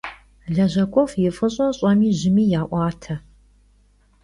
Lejak'uef' yi f'ış'e ş'emi jımi ya'uate.